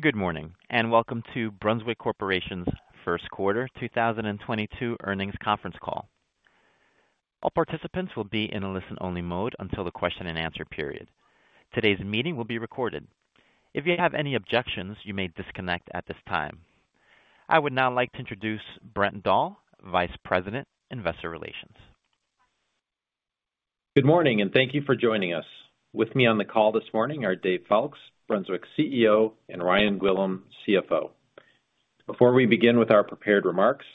Good morning, and welcome to Brunswick Corporation's first quarter 2022 earnings conference call. All participants will be in a listen-only mode until the question and answer period. Today's meeting will be recorded. If you have any objections, you may disconnect at this time. I would now like to introduce Brent Dahl, Vice President, Investor Relations. Good morning, and thank you for joining us. With me on the call this morning are Dave Foulkes, Brunswick CEO, and Ryan Gwillim, CFO. Before we begin with our prepared remarks,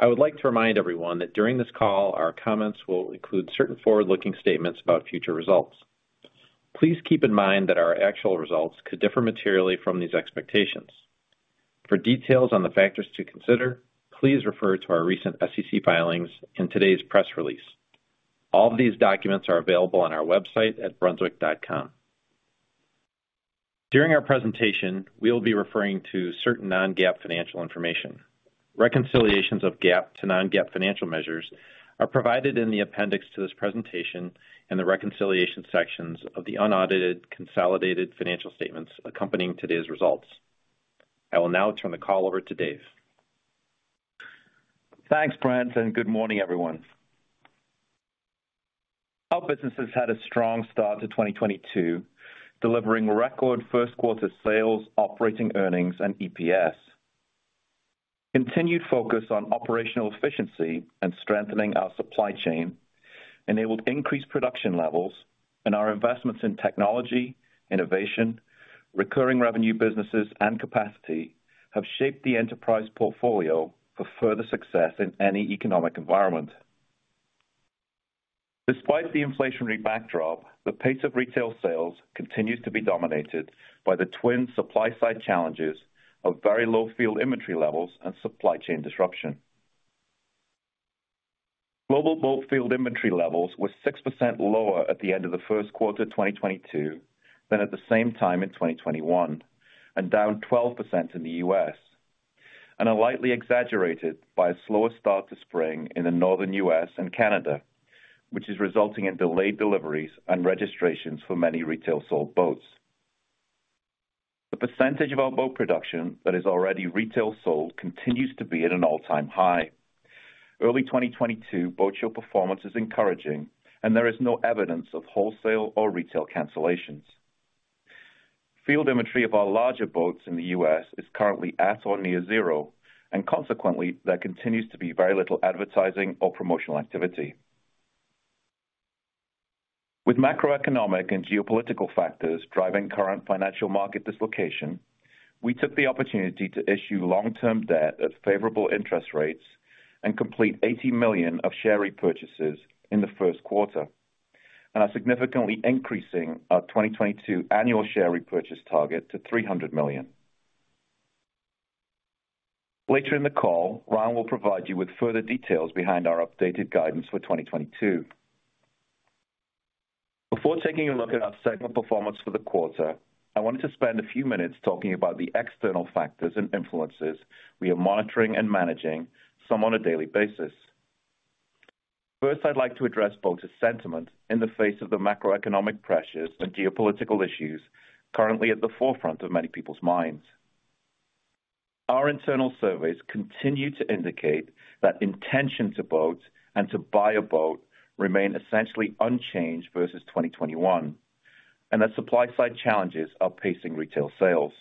I would like to remind everyone that during this call, our comments will include certain forward-looking statements about future results. Please keep in mind that our actual results could differ materially from these expectations. For details on the factors to consider, please refer to our recent SEC filings in today's press release. All of these documents are available on our website at brunswick.com. During our presentation, we will be referring to certain non-GAAP financial information. Reconciliations of GAAP to non-GAAP financial measures are provided in the appendix to this presentation and the reconciliation sections of the unaudited consolidated financial statements accompanying today's results. I will now turn the call over to Dave. Thanks, Brent, and good morning, everyone. Our business has had a strong start to 2022, delivering record first quarter sales, operating earnings, and EPS. Continued focus on operational efficiency and strengthening our supply chain enabled increased production levels and our investments in technology, innovation, recurring revenue businesses, and capacity have shaped the enterprise portfolio for further success in any economic environment. Despite the inflationary backdrop, the pace of retail sales continues to be dominated by the twin supply side challenges of very low field inventory levels and supply chain disruption. Global boat field inventory levels were 6% lower at the end of the first quarter 2022 than at the same time in 2021, and down 12% in the U.S., and are slightly exaggerated by a slower start to spring in the northern U.S. and Canada, which is resulting in delayed deliveries and registrations for many retail sold boats. The percentage of our boat production that is already retail sold continues to be at an all-time high. Early 2022 boat show performance is encouraging, and there is no evidence of wholesale or retail cancellations. Field inventory of our larger boats in the U.S. is currently at or near zero, and consequently, there continues to be very little advertising or promotional activity. With macroeconomic and geopolitical factors driving current financial market dislocation, we took the opportunity to issue long-term debt at favorable interest rates and complete $80 million of share repurchases in the first quarter, and are significantly increasing our 2022 annual share repurchase target to $300 million. Later in the call, Ryan will provide you with further details behind our updated guidance for 2022. Before taking a look at our segment performance for the quarter, I wanted to spend a few minutes talking about the external factors and influences we are monitoring and managing, some on a daily basis. First, I'd like to address boater sentiment in the face of the macroeconomic pressures and geopolitical issues currently at the forefront of many people's minds. Our internal surveys continue to indicate that intention to boat and to buy a boat remain essentially unchanged versus 2021, and that supply-side challenges are pacing retail sales.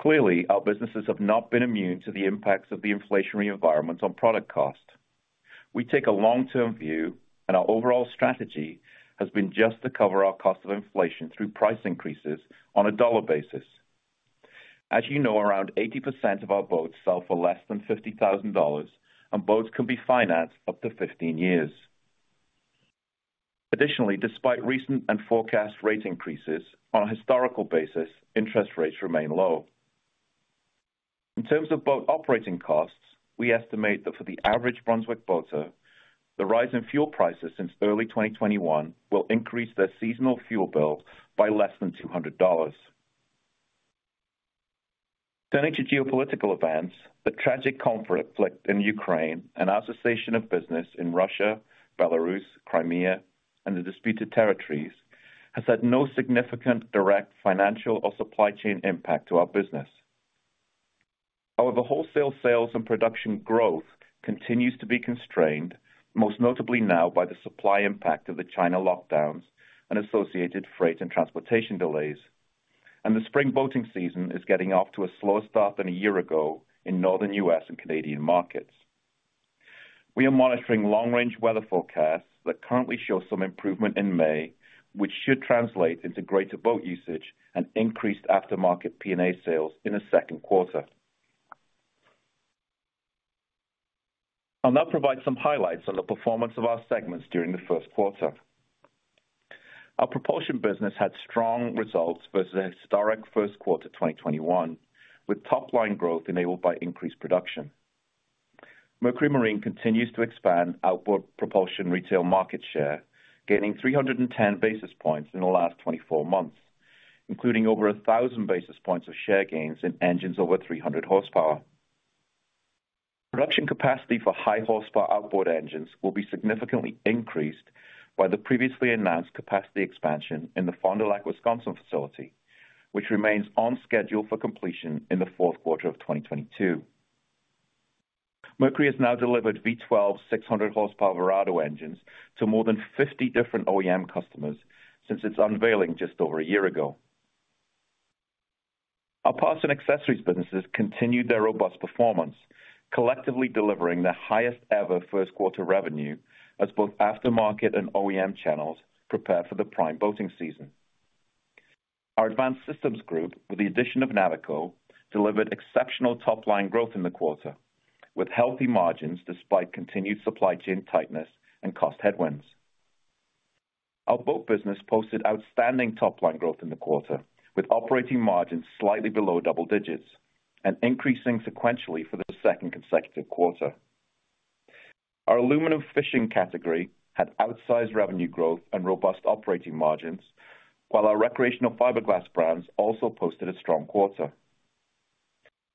Clearly, our businesses have not been immune to the impacts of the inflationary environment on product cost. We take a long-term view, and our overall strategy has been just to cover our cost of inflation through price increases on a dollar basis. As you know, around 80% of our boats sell for less than $50,000, and boats can be financed up to 15 years. Additionally, despite recent and forecast rate increases, on a historical basis, interest rates remain low. In terms of boat operating costs, we estimate that for the average Brunswick boater, the rise in fuel prices since early 2021 will increase their seasonal fuel bill by less than $200. Turning to geopolitical events, the tragic conflict in Ukraine and our cessation of business in Russia, Belarus, Crimea, and the disputed territories has had no significant direct financial or supply chain impact to our business. Our wholesale sales and production growth continues to be constrained, most notably now by the supply impact of the China lockdowns and associated freight and transportation delays. The spring boating season is getting off to a slower start than a year ago in northern U.S. and Canadian markets. We are monitoring long-range weather forecasts that currently show some improvement in May, which should translate into greater boat usage and increased aftermarket P&A sales in the second quarter. I'll now provide some highlights on the performance of our segments during the first quarter. Our propulsion business had strong results versus the historic first quarter 2021, with top line growth enabled by increased production. Mercury Marine continues to expand outboard propulsion retail market share, gaining 310 basis points in the last 24 months, including over 1,000 basis points of share gains in engines over 300 horsepower. Production capacity for high horsepower outboard engines will be significantly increased by the previously announced capacity expansion in the Fond du Lac, Wisconsin facility, which remains on schedule for completion in the fourth quarter of 2022. Mercury has now delivered V12 600 horsepower Verado engines to more than 50 different OEM customers since its unveiling just over a year ago. Our parts and accessories businesses continued their robust performance, collectively delivering the highest ever first quarter revenue as both aftermarket and OEM channels prepare for the prime boating season. Our advanced systems group, with the addition of Navico, delivered exceptional top line growth in the quarter, with healthy margins despite continued supply chain tightness and cost headwinds. Our boat business posted outstanding top line growth in the quarter, with operating margins slightly below double digits and increasing sequentially for the second consecutive quarter. Our aluminum fishing category had outsized revenue growth and robust operating margins, while our recreational fiberglass brands also posted a strong quarter.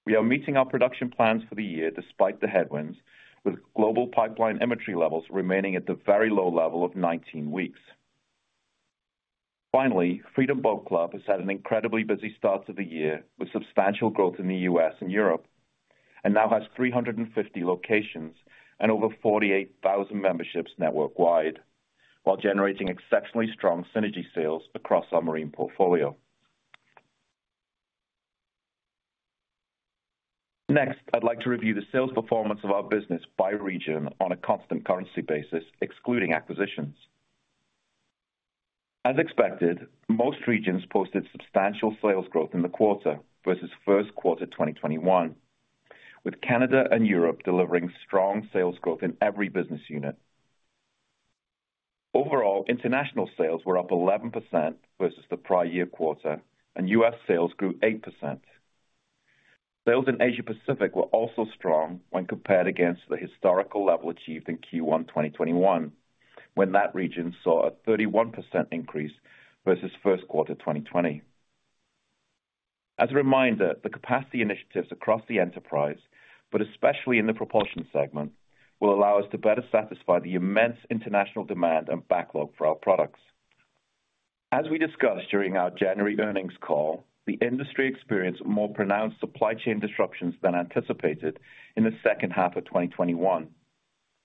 We are meeting our production plans for the year despite the headwinds, with global pipeline inventory levels remaining at the very low level of 19 weeks. Finally, Freedom Boat Club has had an incredibly busy start to the year, with substantial growth in the U.S. and Europe, and now has 350 locations and over 48,000 memberships network wide, while generating exceptionally strong synergy sales across our marine portfolio. Next, I'd like to review the sales performance of our business by region on a constant currency basis, excluding acquisitions. As expected, most regions posted substantial sales growth in the quarter versus first quarter 2021, with Canada and Europe delivering strong sales growth in every business unit. Overall, international sales were up 11% versus the prior year quarter, and U.S. sales grew 8%. Sales in Asia Pacific were also strong when compared against the historical level achieved in Q1 2021, when that region saw a 31% increase versus first quarter 2020. As a reminder, the capacity initiatives across the enterprise, but especially in the propulsion segment, will allow us to better satisfy the immense international demand and backlog for our products. As we discussed during our January earnings call, the industry experienced more pronounced supply chain disruptions than anticipated in the second half of 2021,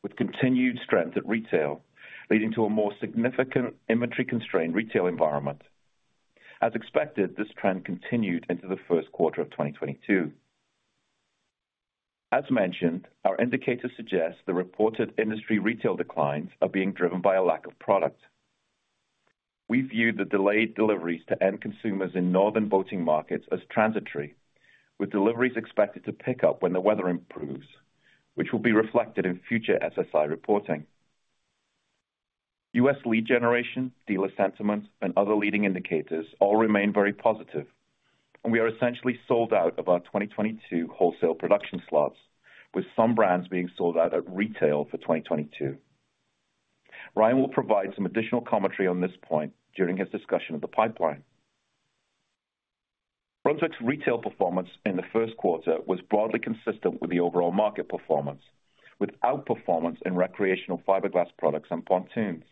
with continued strength at retail leading to a more significant inventory constrained retail environment. As expected, this trend continued into the first quarter of 2022. As mentioned, our indicators suggest the reported industry retail declines are being driven by a lack of product. We view the delayed deliveries to end consumers in northern boating markets as transitory, with deliveries expected to pick up when the weather improves, which will be reflected in future SSI reporting. U.S. lead generation, dealer sentiment, and other leading indicators all remain very positive, and we are essentially sold out of our 2022 wholesale production slots, with some brands being sold out at retail for 2022. Ryan will provide some additional commentary on this point during his discussion of the pipeline. Brunswick's retail performance in the first quarter was broadly consistent with the overall market performance, with outperformance in recreational fiberglass products and pontoons.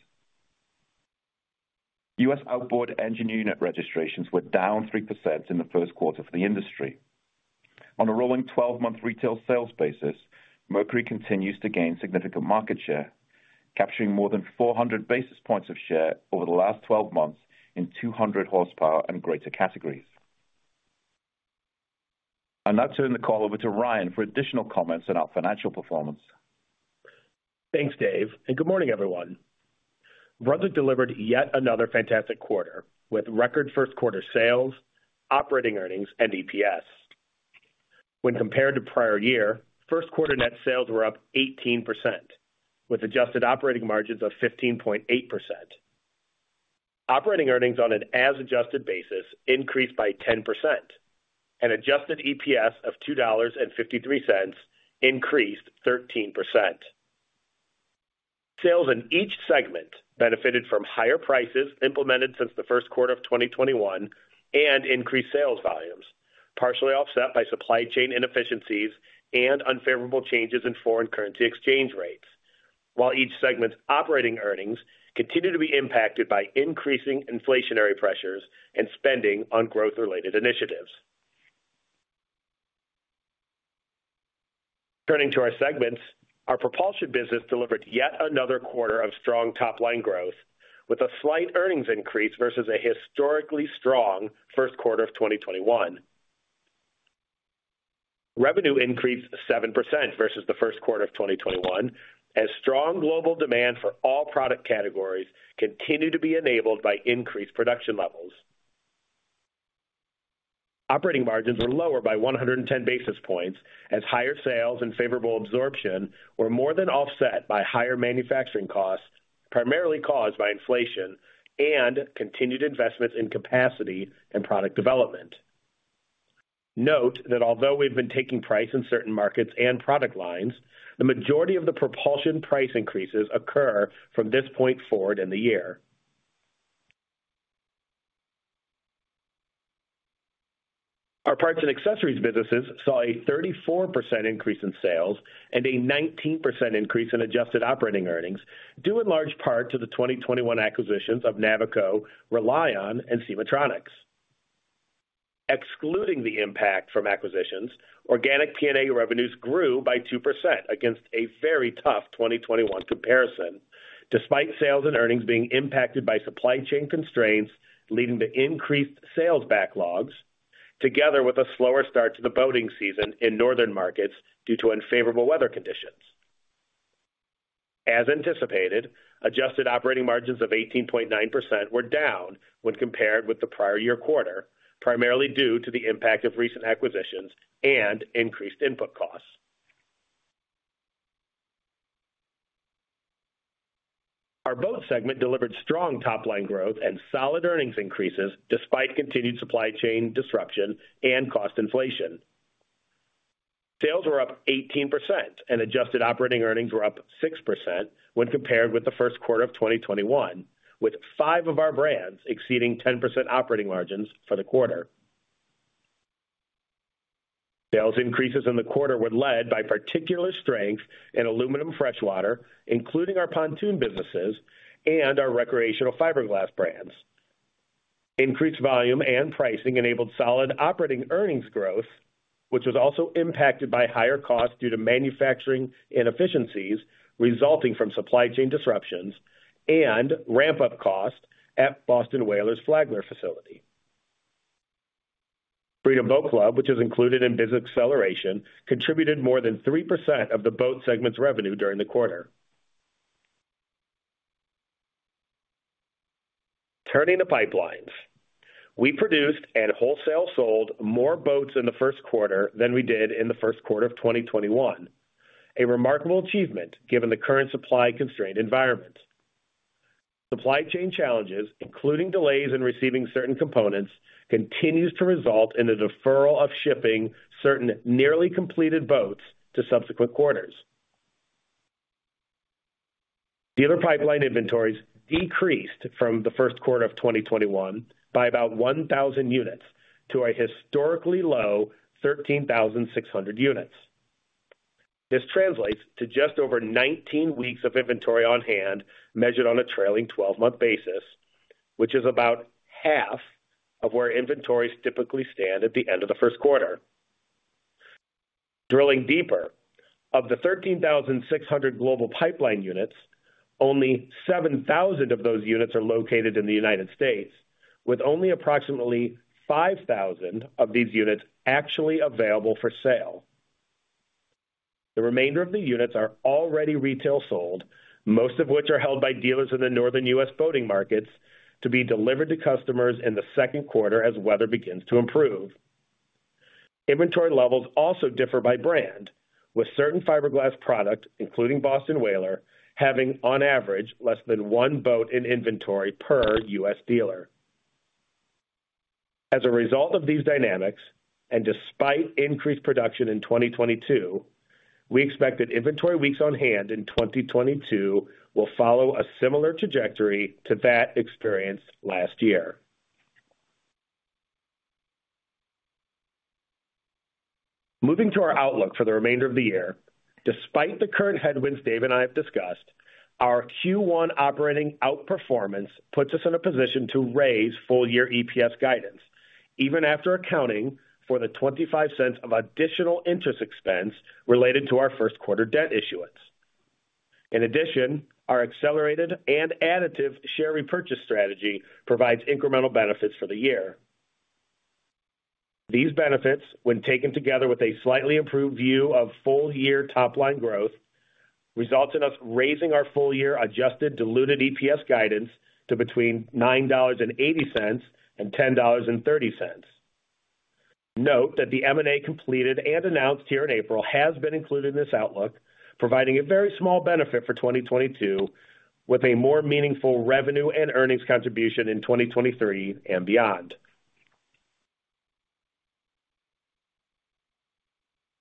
U.S. outboard engine unit registrations were down 3% in the first quarter for the industry. On a rolling twelve-month retail sales basis, Mercury continues to gain significant market share, capturing more than 400 basis points of share over the last twelve months in 200 horsepower and greater categories. I'll now turn the call over to Ryan for additional comments on our financial performance. Thanks, Dave, and good morning, everyone. Brunswick delivered yet another fantastic quarter with record first quarter sales, operating earnings and EPS. When compared to prior year, first quarter net sales were up 18%, with adjusted operating margins of 15.8%. Operating earnings on an as adjusted basis increased by 10% and adjusted EPS of $2.53 increased 13%. Sales in each segment benefited from higher prices implemented since the first quarter of 2021 and increased sales volumes, partially offset by supply chain inefficiencies and unfavorable changes in foreign currency exchange rates. While each segment's operating earnings continued to be impacted by increasing inflationary pressures and spending on growth-related initiatives. Turning to our segments, our propulsion business delivered yet another quarter of strong top line growth with a slight earnings increase versus a historically strong first quarter of 2021. Revenue increased 7% versus the first quarter of 2021, as strong global demand for all product categories continued to be enabled by increased production levels. Operating margins were lower by 110 basis points as higher sales and favorable absorption were more than offset by higher manufacturing costs, primarily caused by inflation and continued investments in capacity and product development. Note that although we've been taking price in certain markets and product lines, the majority of the propulsion price increases occur from this point forward in the year. Our parts and accessories businesses saw a 34% increase in sales and a 19% increase in adjusted operating earnings, due in large part to the 2021 acquisitions of Navico, RELiON, and SemahTronix. Excluding the impact from acquisitions, organic PA revenues grew by 2% against a very tough 2021 comparison, despite sales and earnings being impacted by supply chain constraints leading to increased sales backlogs together with a slower start to the boating season in northern markets due to unfavorable weather conditions. As anticipated, adjusted operating margins of 18.9% were down when compared with the prior year quarter, primarily due to the impact of recent acquisitions and increased input costs. Our boat segment delivered strong top-line growth and solid earnings increases despite continued supply chain disruption and cost inflation. Sales were up 18% and adjusted operating earnings were up 6% when compared with the first quarter of 2021, with five of our brands exceeding 10% operating margins for the quarter. Sales increases in the quarter were led by particular strength in aluminum freshwater, including our pontoon businesses and our recreational fiberglass brands. Increased volume and pricing enabled solid operating earnings growth, which was also impacted by higher costs due to manufacturing inefficiencies resulting from supply chain disruptions and ramp-up costs at Boston Whaler's Flagler facility. Freedom Boat Club, which is included in business acceleration, contributed more than 3% of the boat segment's revenue during the quarter. Turning to pipelines. We produced and wholesale sold more boats in the first quarter than we did in the first quarter of 2021. A remarkable achievement given the current supply constrained environment. Supply chain challenges, including delays in receiving certain components, continues to result in a deferral of shipping certain nearly completed boats to subsequent quarters. Dealer pipeline inventories decreased from the first quarter of 2021 by about 1,000 units to a historically low 13,600 units. This translates to just over 19 weeks of inventory on hand, measured on a trailing 12-month basis, which is about half of where inventories typically stand at the end of the first quarter. Drilling deeper, of the 13,600 global pipeline units, only 7,000 of those units are located in the United States, with only approximately 5,000 of these units actually available for sale. The remainder of the units are already retail sold, most of which are held by dealers in the northern U.S. boating markets to be delivered to customers in the second quarter as weather begins to improve. Inventory levels also differ by brand, with certain fiberglass product, including Boston Whaler, having on average less than one boat in inventory per U.S. dealer. As a result of these dynamics, and despite increased production in 2022, we expect that inventory weeks on hand in 2022 will follow a similar trajectory to that experienced last year. Moving to our outlook for the remainder of the year. Despite the current headwinds Dave and I have discussed, our Q1 operating outperformance puts us in a position to raise full-year EPS guidance, even after accounting for the $0.25 of additional interest expense related to our first quarter debt issuance. In addition, our accelerated and additive share repurchase strategy provides incremental benefits for the year. These benefits, when taken together with a slightly improved view of full-year top line growth, results in us raising our full-year adjusted diluted EPS guidance to between $9.80 and $10.30. Note that the M&A completed and announced here in April has been included in this outlook, providing a very small benefit for 2022 with a more meaningful revenue and earnings contribution in 2023 and beyond.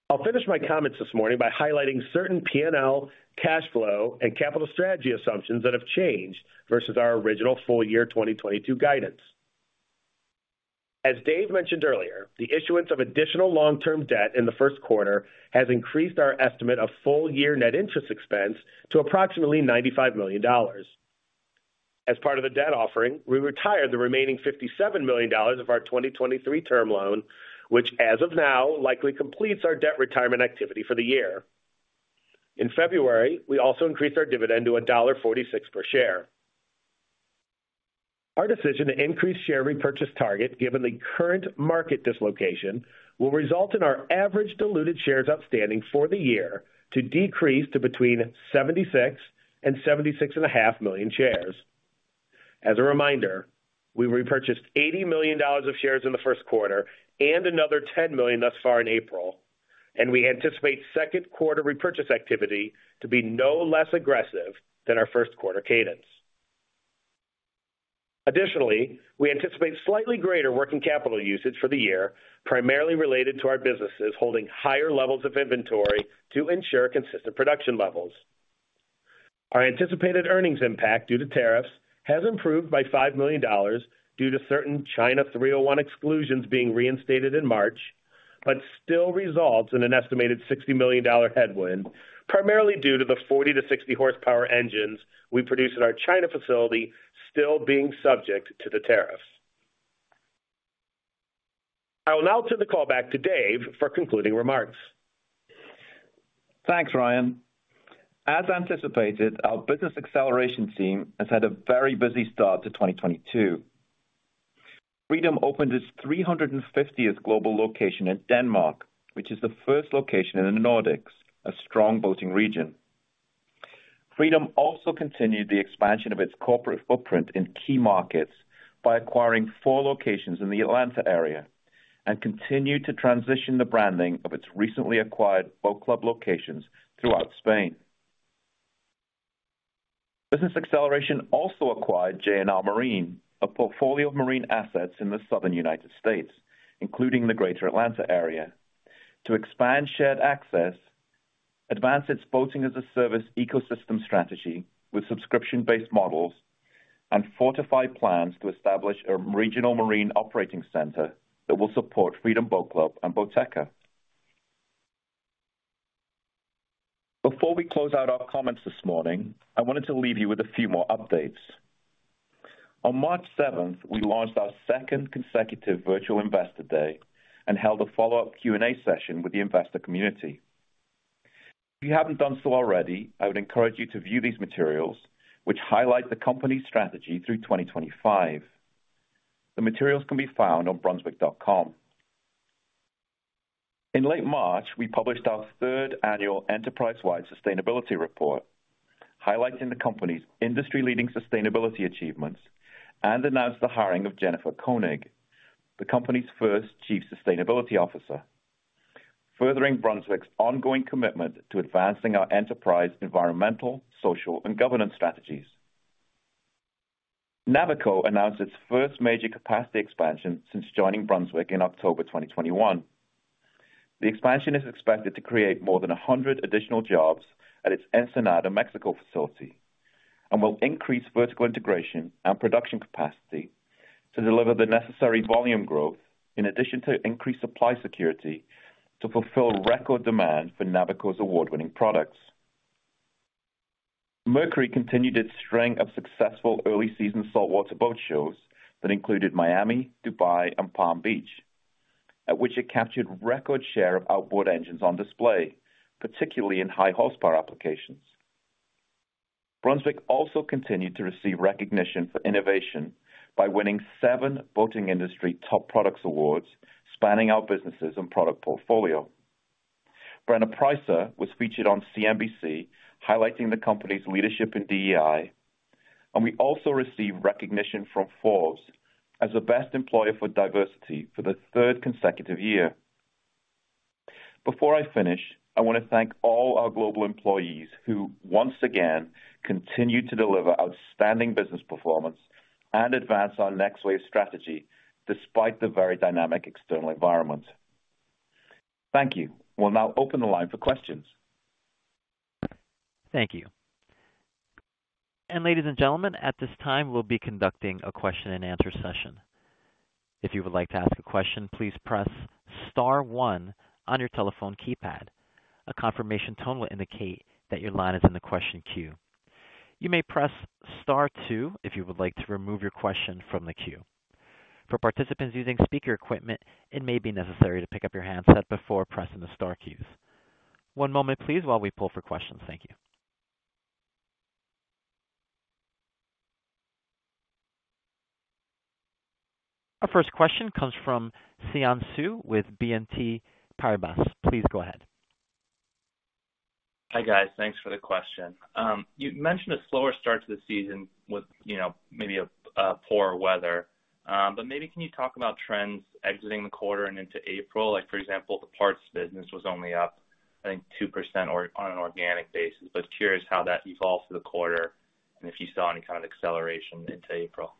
I'll finish my comments this morning by highlighting certain P&L, cash flow, and capital strategy assumptions that have changed versus our original full-year 2022 guidance. As Dave mentioned earlier, the issuance of additional long-term debt in the first quarter has increased our estimate of full-year net interest expense to approximately $95 million. As part of the debt offering, we retired the remaining $57 million of our 2023 term loan, which as of now likely completes our debt retirement activity for the year. In February, we also increased our dividend to $1.46 per share. Our decision to increase share repurchase target given the current market dislocation will result in our average diluted shares outstanding for the year to decrease to between 76 million and 76.5 million shares. As a reminder, we repurchased $80 million of shares in the first quarter and another $10 million thus far in April, and we anticipate second-quarter repurchase activity to be no less aggressive than our first quarter cadence. Additionally, we anticipate slightly greater working capital usage for the year, primarily related to our businesses holding higher levels of inventory to ensure consistent production levels. Our anticipated earnings impact due to tariffs has improved by $5 million due to certain China 301 exclusions being reinstated in March, but still results in an estimated $60 million headwind, primarily due to the 40- to 60-horsepower engines we produce at our China facility still being subject to the tariffs. I will now turn the call back to Dave for concluding remarks. Thanks, Ryan. As anticipated, our business acceleration team has had a very busy start to 2022. Freedom opened its 350th global location in Denmark, which is the first location in the Nordics, a strong boating region. Freedom also continued the expansion of its corporate footprint in key markets by acquiring four locations in the Atlanta area and continued to transition the branding of its recently acquired Boat Club locations throughout Spain. Business Acceleration also acquired J&R Marine Holdings, a portfolio of marine assets in the Southern United States, including the Greater Atlanta area, to expand shared access, advance its Boating-as-a-Service ecosystem strategy with subscription-based models, and fortify plans to establish a regional marine operating center that will support Freedom Boat Club and Boateka. Before we close out our comments this morning, I wanted to leave you with a few more updates. On March seventh, we launched our second consecutive Virtual Investor Day and held a follow-up Q&A session with the investor community. If you haven't done so already, I would encourage you to view these materials, which highlight the company's strategy through 2025. The materials can be found on brunswick.com. In late March, we published our third annual enterprise-wide sustainability report, highlighting the company's industry-leading sustainability achievements, and announced the hiring of Jennifer Koenig, the company's first chief sustainability officer, furthering Brunswick's ongoing commitment to advancing our enterprise environmental, social, and governance strategies. Navico announced its first major capacity expansion since joining Brunswick in October 2021. The expansion is expected to create more than 100 additional jobs at its Ensenada, Mexico, facility and will increase vertical integration and production capacity to deliver the necessary volume growth, in addition to increased supply security to fulfill record demand for Navico's award-winning products. Mercury continued its string of successful early season saltwater boat shows that included Miami, Dubai, and Palm Beach, at which it captured record share of outboard engines on display, particularly in high horsepower applications. Brunswick also continued to receive recognition for innovation by winning seven boating industry top products awards spanning our businesses and product portfolio. Brenna Preisser was featured on CNBC highlighting the company's leadership in DEI, and we also received recognition from Forbes as the best employer for diversity for the third consecutive year. Before I finish, I want to thank all our global employees who, once again, continue to deliver outstanding business performance and advance our Next Wave strategy despite the very dynamic external environment. Thank you. We'll now open the line for questions. Thank you. Ladies and gentlemen, at this time we'll be conducting a question and answer session. If you would like to ask a question, please press star one on your telephone keypad. A confirmation tone will indicate that your line is in the question queue. You may press star two if you would like to remove your question from the queue. For participants using speaker equipment, it may be necessary to pick up your handset before pressing the star keys. One moment, please, while we poll for questions. Thank you. Our first question comes from Xian Siew with BNP Paribas. Please go ahead. Hi, guys. Thanks for the question. You mentioned a slower start to the season with, you know, maybe poor weather, but maybe can you talk about trends exiting the quarter and into April? Like, for example, the parts business was only up, I think 2% org or an organic basis, but curious how that evolved through the quarter and if you saw any kind of acceleration into April.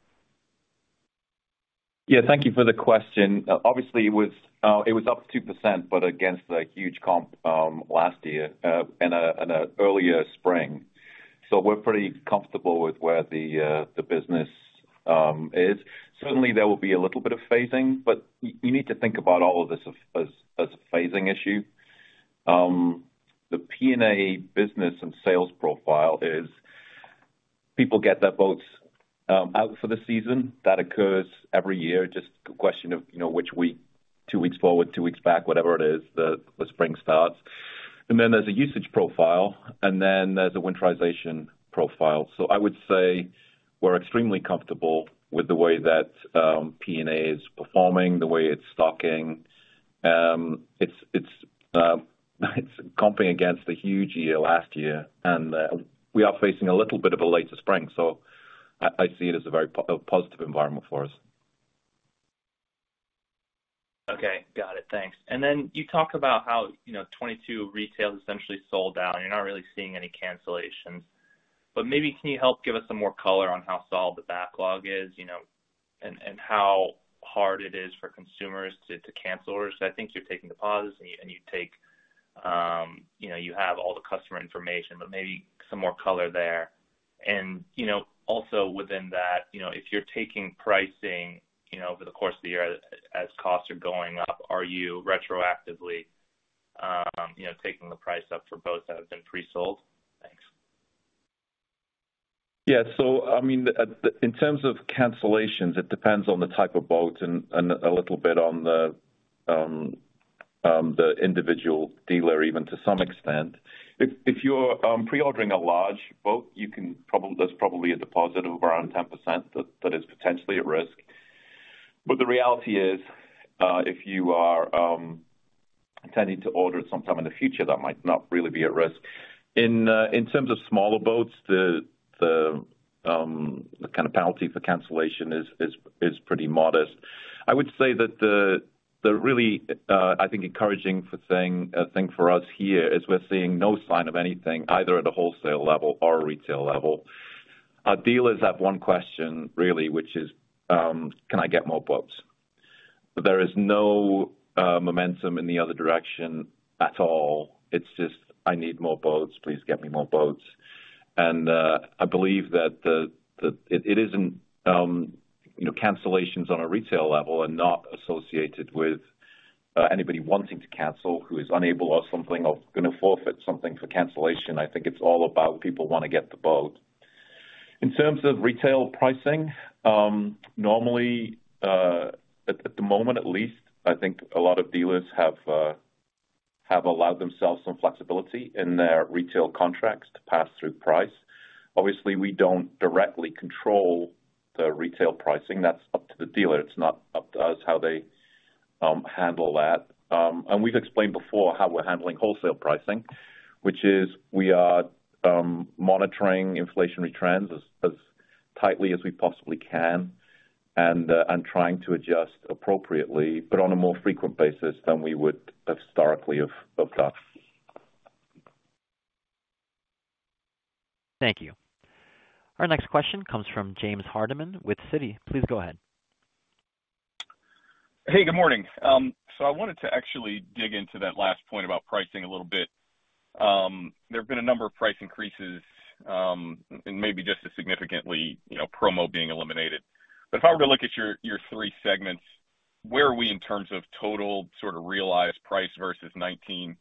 Yeah, thank you for the question. Obviously, it was up 2%, but against a huge comp last year and an earlier spring. We're pretty comfortable with where the business is. Certainly, there will be a little bit of phasing, but you need to think about all of this as a phasing issue. The PNA business and sales profile is people get their boats out for the season. That occurs every year. Just a question of, you know, which week, two weeks forward, two weeks back, whatever it is, the spring starts. Then there's a usage profile, and then there's a winterization profile. I would say we're extremely comfortable with the way that PNA is performing, the way it's stocking. It's comping against a huge year last year, and we are facing a little bit of a later spring, so I see it as a very positive environment for us. Okay. Got it. Thanks. You talk about how, you know, 2022 retail essentially sold out and you're not really seeing any cancellations, but maybe can you help give us some more color on how solid the backlog is? How hard it is for consumers to cancel orders. I think you're taking deposits and you have all the customer information, but maybe some more color there. You know, also within that, you know, if you're taking pricing, you know, over the course of the year as costs are going up, are you retroactively taking the price up for boats that have been pre-sold? Thanks. Yeah. I mean, in terms of cancellations, it depends on the type of boat and a little bit on the individual dealer, even to some extent. If you're pre-ordering a large boat, there's probably a deposit of around 10% that is potentially at risk. The reality is, if you are intending to order at some time in the future, that might not really be at risk. In terms of smaller boats, the kind of penalty for cancellation is pretty modest. I would say that the really encouraging thing for us here is we're seeing no sign of anything, either at a wholesale level or a retail level. Our dealers have one question really, which is, "Can I get more boats?" There is no momentum in the other direction at all. It's just, "I need more boats. Please get me more boats." I believe that it isn't, you know, cancellations on a retail level are not associated with anybody wanting to cancel who is unable or something they're gonna forfeit something for cancellation. I think it's all about people wanna get the boat. In terms of retail pricing, normally, at the moment at least, I think a lot of dealers have allowed themselves some flexibility in their retail contracts to pass through price. Obviously, we don't directly control the retail pricing. That's up to the dealer. It's not up to us how they handle that. We've explained before how we're handling wholesale pricing, which is we are monitoring inflationary trends as tightly as we possibly can and trying to adjust appropriately, but on a more frequent basis than we would historically have done. Thank you. Our next question comes from James Hardiman with Citi. Please go ahead. Hey, good morning. I wanted to actually dig into that last point about pricing a little bit. There have been a number of price increases, and maybe just a significantly, you know, promo being eliminated. If I were to look at your three segments, where are we in terms of total sort of realized price versus 2019?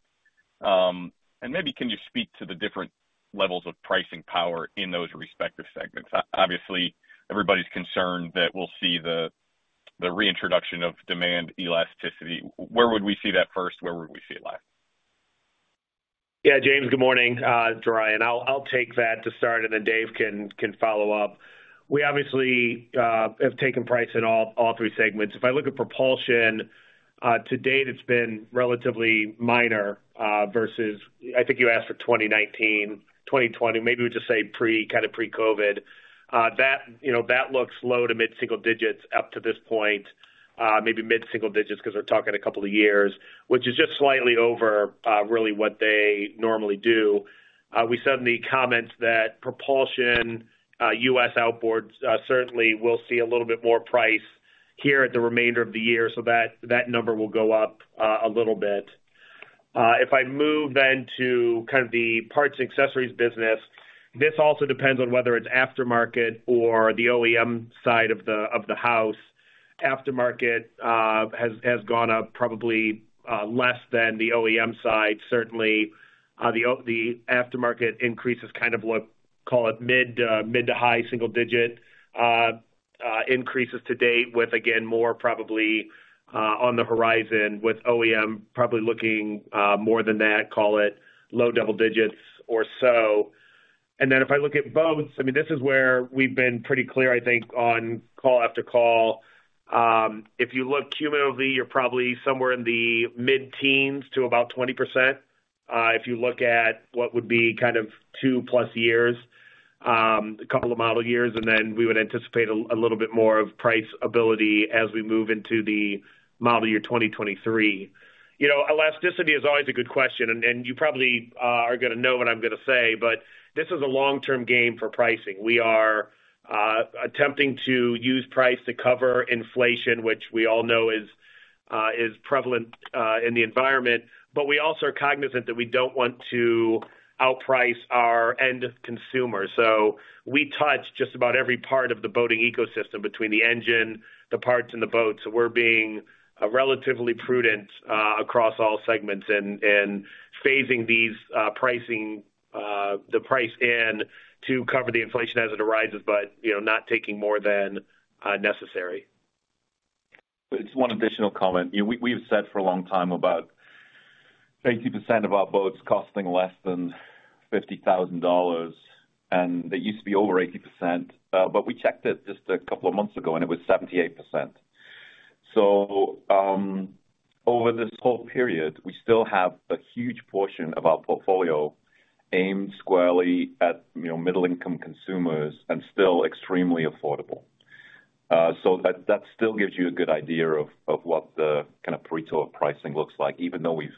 Maybe can you speak to the different levels of pricing power in those respective segments? Obviously, everybody's concerned that we'll see the reintroduction of demand elasticity. Where would we see that first? Where would we see it last? Yeah. James, good morning. It's Ryan. I'll take that to start, and then Dave can follow up. We obviously have taken price in all three segments. If I look at propulsion, to date, it's been relatively minor versus I think you asked for 2019, 2020, maybe we just say pre-, kind of pre-COVID. That, you know, that looks low- to mid-single digits up to this point, maybe mid-single digits because we're talking a couple of years, which is just slightly over really what they normally do. We said in the comments that propulsion, U.S. outboards, certainly will see a little bit more price here at the remainder of the year, so that number will go up a little bit. If I move then to kind of the parts and accessories business, this also depends on whether it's aftermarket or the OEM side of the house. Aftermarket has gone up probably less than the OEM side. Certainly, the aftermarket increase is kind of what, call it mid- to high-single-digit increases to date with, again, more probably on the horizon, with OEM probably looking more than that, call it low double digits or so. If I look at boats, I mean, this is where we've been pretty clear, I think, on call after call. If you look cumulatively, you're probably somewhere in the mid-teens to about 20%. If you look at what would be kind of 2+ years, a couple of model years, and then we would anticipate a little bit more of price stability as we move into the model year 2023. You know, elasticity is always a good question, and you probably are gonna know what I'm gonna say, but this is a long-term game for pricing. We are attempting to use price to cover inflation, which we all know is prevalent in the environment, but we also are cognizant that we don't want to outprice our end consumer. We touch just about every part of the boating ecosystem between the engine, the parts, and the boats, so we're being relatively prudent across all segments and phasing in the pricing to cover the inflation as it arises, but you know not taking more than necessary. Just one additional comment. You know, we've said for a long time about 80% of our boats costing less than $50,000, and it used to be over 80%. We checked it just a couple of months ago, and it was 78%. Over this whole period, we still have a huge portion of our portfolio aimed squarely at, you know, middle-income consumers and still extremely affordable. That still gives you a good idea of what the kind of retail pricing looks like. Even though we've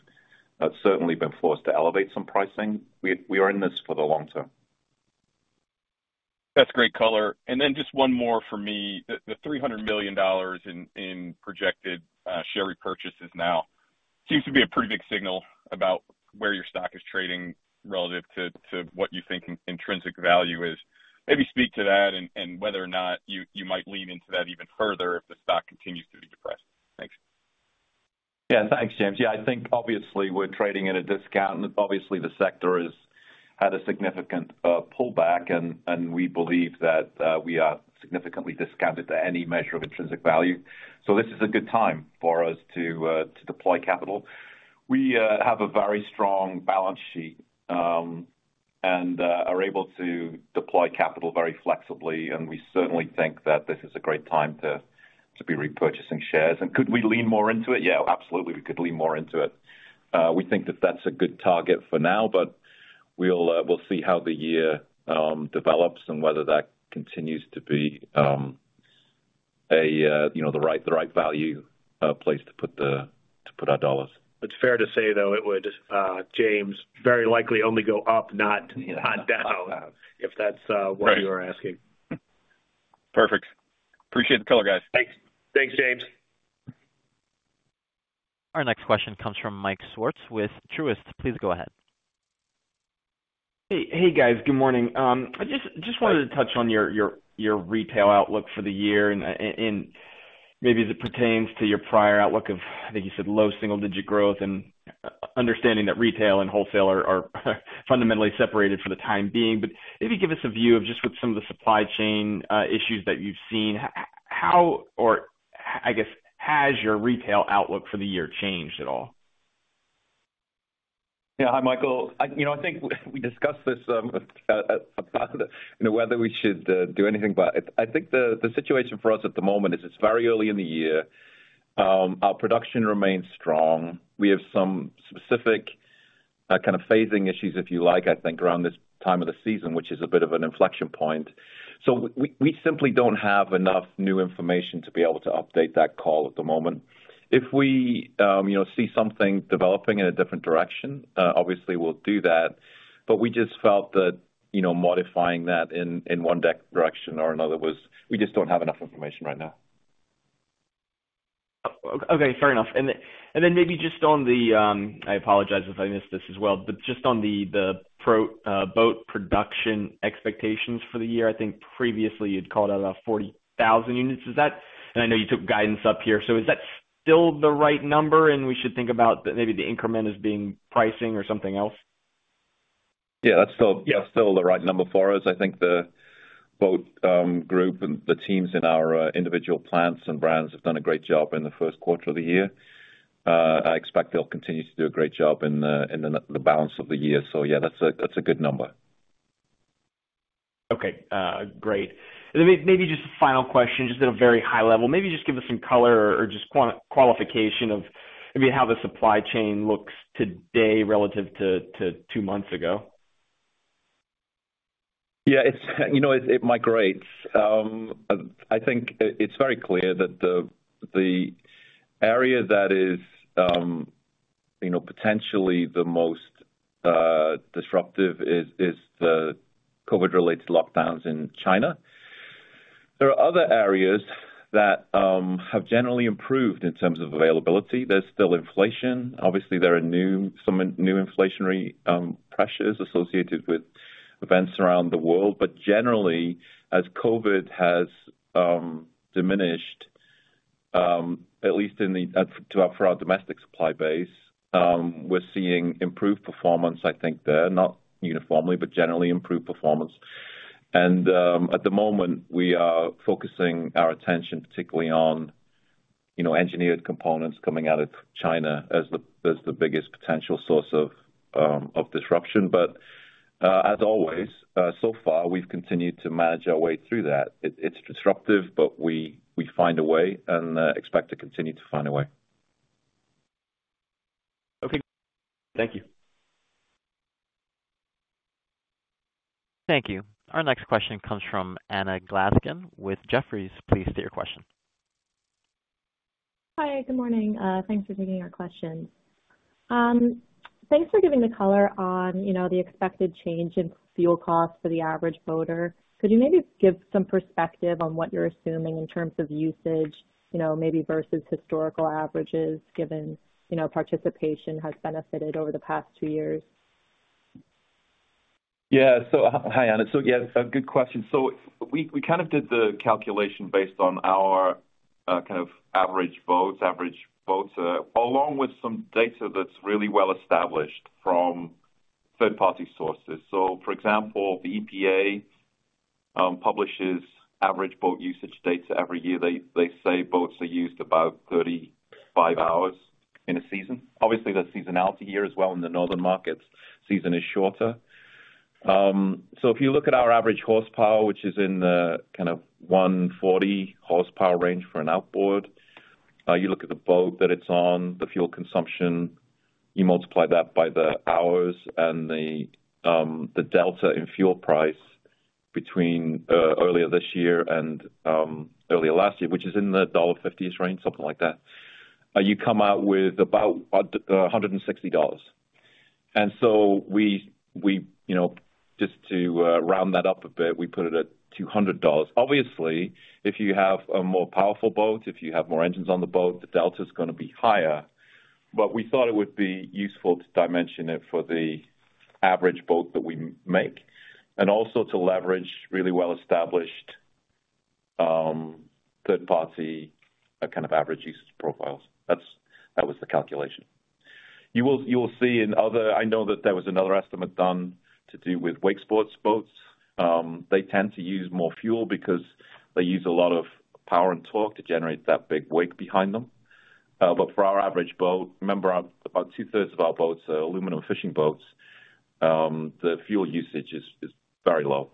certainly been forced to elevate some pricing, we are in this for the long term. That's great color. Just one more for me. The $300 million in projected share repurchases now seems to be a pretty big signal about where your stock is trading relative to what you think intrinsic value is. Maybe speak to that and whether or not you might lean into that even further if the stock continues to be depressed. Thanks. Yeah, thanks, James. Yeah, I think obviously we're trading at a discount and obviously the sector has had a significant pullback and we believe that we are significantly discounted to any measure of intrinsic value. This is a good time for us to deploy capital. We have a very strong balance sheet and are able to deploy capital very flexibly, and we certainly think that this is a great time to be repurchasing shares. Could we lean more into it? Yeah, absolutely, we could lean more into it. We think that that's a good target for now, but we'll see how the year develops and whether that continues to be a you know the right value place to put our dollars. It's fair to say, though, it would, James, very likely only go up, not down, if that's what you are asking. Perfect. Appreciate the color, guys. Thanks. Thanks, James. Our next question comes from Mike Swartz with Truist. Please go ahead. Hey. Hey, guys. Good morning. I just wanted to touch on your retail outlook for the year and maybe as it pertains to your prior outlook of, I think you said low single digit growth, and understanding that retail and wholesale are fundamentally separated for the time being. Maybe give us a view of just with some of the supply chain issues that you've seen, how or I guess has your retail outlook for the year changed at all? Yeah. Hi, Michael. You know, I think we discussed this about you know whether we should do anything. I think the situation for us at the moment is it's very early in the year. Our production remains strong. We have some specific kind of phasing issues, if you like, I think around this time of the season, which is a bit of an inflection point. We simply don't have enough new information to be able to update that call at the moment. If we you know see something developing in a different direction obviously we'll do that. We just felt that you know modifying that in one direction or another was. We just don't have enough information right now. Okay, fair enough. Maybe just on the, I apologize if I missed this as well, but just on the boat production expectations for the year. I think previously you'd called out about 40,000 units. Is that? I know you took guidance up here. Is that still the right number, and we should think about maybe the increment as being pricing or something else? Yeah, that's still the right number for us. I think the boat group and the teams in our individual plants and brands have done a great job in the first quarter of the year. I expect they'll continue to do a great job in the balance of the year. Yeah, that's a good number. Okay. Great. Maybe just a final question, just at a very high level. Maybe just give us some color or just qualification of maybe how the supply chain looks today relative to two months ago. Yeah, it's, you know, it migrates. I think it's very clear that the area that is, you know, potentially the most disruptive is the COVID-related lockdowns in China. There are other areas that have generally improved in terms of availability. There's still inflation. Obviously, there are some new inflationary pressures associated with events around the world. But generally, as COVID has diminished, at least for our domestic supply base, we're seeing improved performance, I think there. Not uniformly, but generally improved performance. At the moment, we are focusing our attention, particularly on, you know, engineered components coming out of China as the biggest potential source of disruption. As always, so far, we've continued to manage our way through that. It's disruptive, but we find a way and expect to continue to find a way. Okay. Thank you. Thank you. Our next question comes from Anna Glaessgen with Jefferies. Please state your question. Hi, good morning. Thanks for taking our questions. Thanks for giving the color on, you know, the expected change in fuel costs for the average boater. Could you maybe give some perspective on what you're assuming in terms of usage, you know, maybe versus historical averages, given, you know, participation has benefited over the past two years? Hi, Anna. Yeah, a good question. We kind of did the calculation based on our kind of average boats along with some data that's really well established from third-party sources. For example, the EPA publishes average boat usage data every year. They say boats are used about 35 hours in a season. Obviously, there's seasonality here as well. In the northern markets, season is shorter. If you look at our average horsepower, which is in the kind of 140 horsepower range for an outboard, you look at the boat that it's on, the fuel consumption, you multiply that by the hours and the delta in fuel price between earlier this year and earlier last year, which is in the $1.50s range, something like that, you come out with about $160. We, you know, just to round that up a bit, we put it at $200. Obviously, if you have a more powerful boat, if you have more engines on the boat, the delta is gonna be higher. We thought it would be useful to dimension it for the average boat that we make, and also to leverage really well-established, third-party, kind of average usage profiles. That was the calculation. You will see in other. I know that there was another estimate done to do with wake sports boats. They tend to use more fuel because they use a lot of power and torque to generate that big wake behind them. For our average boat, remember about two-thirds of our boats are aluminum fishing boats, the fuel usage is very low.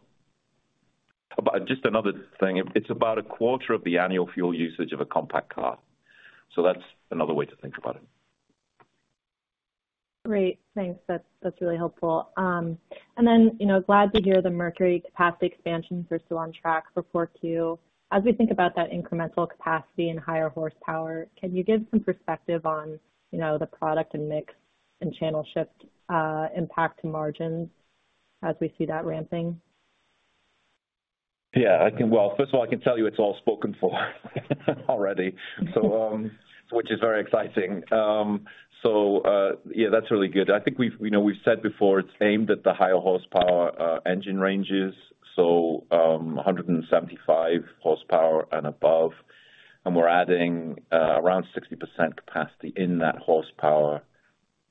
Just another thing, it's about a quarter of the annual fuel usage of a compact car. That's another way to think about it. Great. Thanks. That's really helpful. You know, glad to hear the Mercury capacity expansions are still on track for Q4. As we think about that incremental capacity and higher horsepower, can you give some perspective on, you know, the product and mix and channel shift impact to margins as we see that ramping? Yeah, I can. Well, first of all, I can tell you it's all spoken for already. Which is very exciting. Yeah, that's really good. I think we've, you know, we've said before, it's aimed at the higher horsepower engine ranges, so 175 horsepower and above. We're adding around 60% capacity in that horsepower,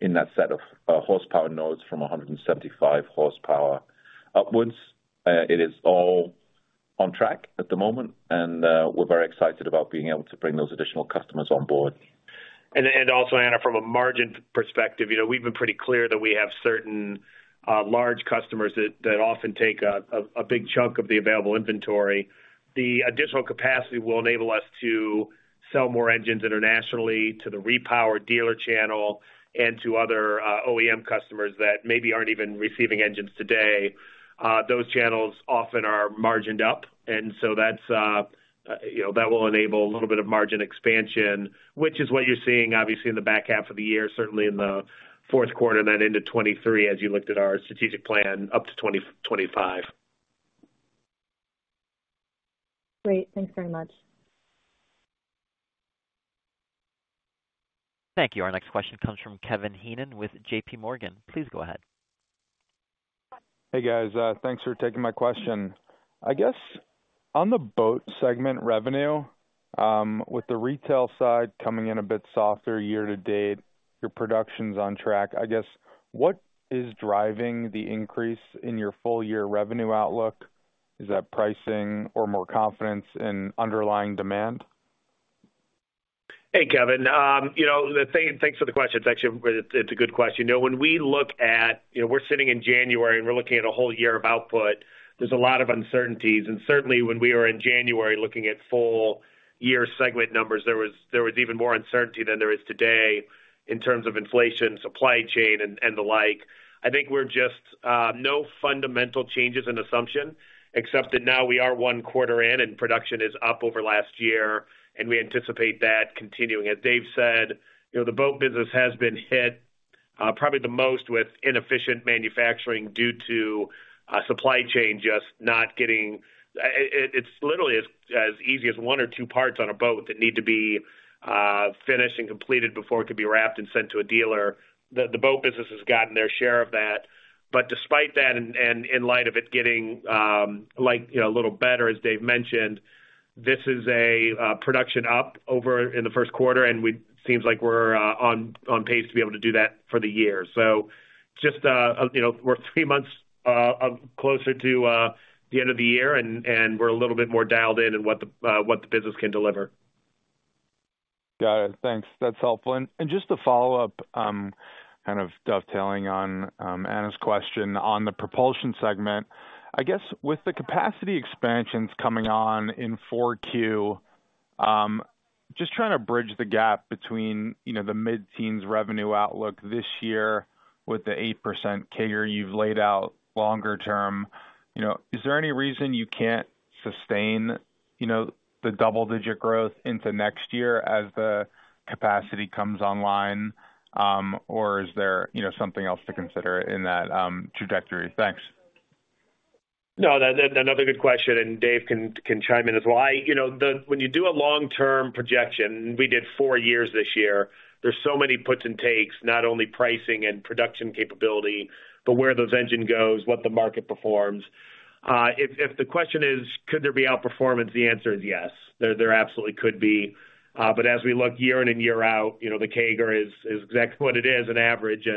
in that set of horsepower nodes from 175 horsepower upwards. It is all on track at the moment, and we're very excited about being able to bring those additional customers on board. also, Anna, from a margin perspective, you know, we've been pretty clear that we have certain large customers that often take a big chunk of the available inventory. The additional capacity will enable us to sell more engines internationally to the repower dealer channel and to other OEM customers that maybe aren't even receiving engines today. Those channels often are margined up, and so that's, you know, that will enable a little bit of margin expansion, which is what you're seeing, obviously, in the back half of the year, certainly in the fourth quarter, and then into 2023, as you looked at our strategic plan up to 2025. Great. Thanks very much. Thank you. Our next question comes from Kevin Heenan with JPMorgan. Please go ahead. Hey, guys. Thanks for taking my question. I guess on the boat segment revenue, with the retail side coming in a bit softer year to date, your production's on track. I guess, what is driving the increase in your full-year revenue outlook? Is that pricing or more confidence in underlying demand? Hey, Kevin. You know, thanks for the question. It's actually a good question. You know, when we look at, you know, we're sitting in January, and we're looking at a whole year of output, there's a lot of uncertainties. Certainly when we were in January, looking at full-year segment numbers, there was even more uncertainty than there is today in terms of inflation, supply chain, and the like. I think we're just no fundamental changes in assumption, except that now we are one quarter in and production is up over last year, and we anticipate that continuing. As Dave said, you know, the boat business has been hit, probably the most with inefficient manufacturing due to supply chain just not getting. It's literally as easy as one or two parts on a boat that need to be finished and completed before it could be wrapped and sent to a dealer. The boat business has gotten their share of that. But despite that, and in light of it getting like, you know, a little better, as Dave mentioned, this is a production up over in the first quarter, and seems like we're on pace to be able to do that for the year. Just, you know, we're three months closer to the end of the year, and we're a little bit more dialed in in what the business can deliver. Got it. Thanks. That's helpful. Just to follow up, kind of dovetailing on Anna's question on the propulsion segment. I guess with the capacity expansions coming on in 4Q, just trying to bridge the gap between, you know, the mid-teens revenue outlook this year with the 8% CAGR you've laid out longer term. You know, is there any reason you can't sustain, you know, the double-digit growth into next year as the capacity comes online? Is there, you know, something else to consider in that trajectory? Thanks. No. Another good question, and Dave can chime in as well. You know, when you do a long-term projection, we did four years this year. There's so many puts and takes, not only pricing and production capability, but where those engines go, what the market performs. If the question is could there be outperformance? The answer is yes. There absolutely could be. But as we look year in and year out, you know, the CAGR is exactly what it is, an average.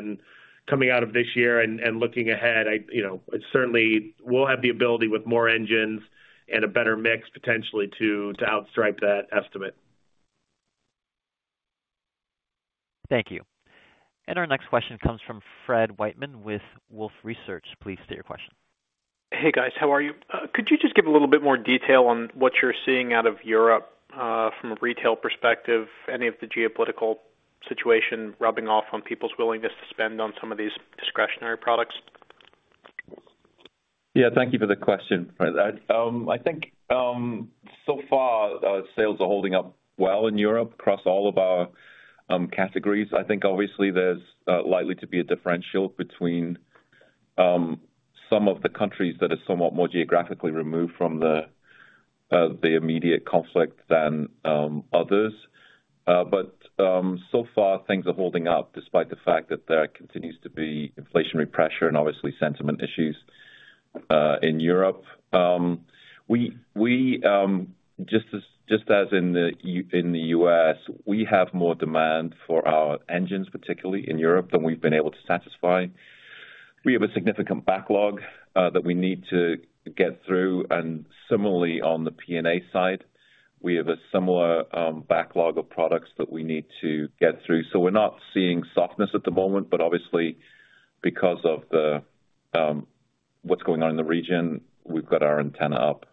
Coming out of this year and looking ahead, you know, it certainly we'll have the ability with more engines and a better mix potentially to outstrip that estimate. Thank you. Our next question comes from Fred Wightman with Wolfe Research. Please state your question. Hey, guys. How are you? Could you just give a little bit more detail on what you're seeing out of Europe, from a retail perspective, any of the geopolitical situation rubbing off on people's willingness to spend on some of these discretionary products. Yeah. Thank you for the question. Right. I think so far, our sales are holding up well in Europe across all of our categories. I think obviously there's likely to be a differential between some of the countries that are somewhat more geographically removed from the immediate conflict than others. But so far, things are holding up despite the fact that there continues to be inflationary pressure and obviously sentiment issues in Europe. We just as in the US, we have more demand for our engines, particularly in Europe, than we've been able to satisfy. We have a significant backlog that we need to get through. Similarly, on the PNA side, we have a similar backlog of products that we need to get through. We're not seeing softness at the moment, but obviously because of the, what's going on in the region, we've got our antenna up.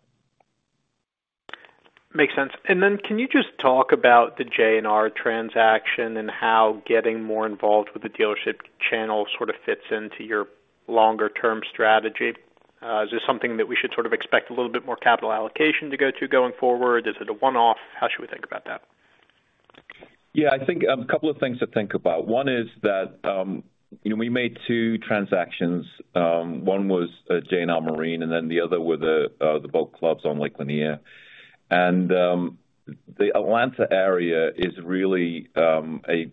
Makes sense. Can you just talk about the J&R transaction and how getting more involved with the dealership channel sort of fits into your longer term strategy? Is this something that we should sort of expect a little bit more capital allocation to go to going forward? Is it a one-off? How should we think about that? Yeah. I think a couple of things to think about. One is that we made two transactions. One was J&R Marine Holdings, and then the other was the boat clubs on Lake Lanier. The Atlanta area is really a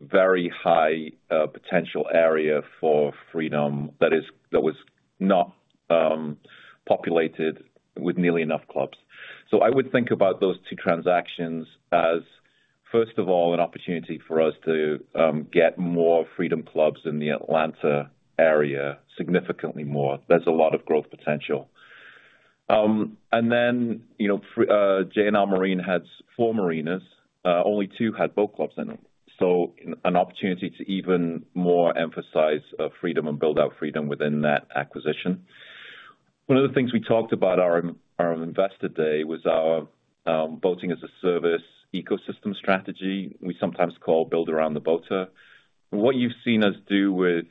very high potential area for Freedom that was not populated with nearly enough clubs. I would think about those two transactions as, first of all, an opportunity for us to get more Freedom clubs in the Atlanta area, significantly more. There's a lot of growth potential. And then, you know, J&R Marine Holdings has four marinas. Only two had boat clubs in them. An opportunity to even more emphasize Freedom and build out Freedom within that acquisition. One of the things we talked about our Investor Day was our Boating-as-a-Service ecosystem strategy we sometimes call Built Around the Boater. What you've seen us do with